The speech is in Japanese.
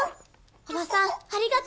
おばさんありがとう！